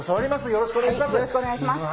よろしくお願いします。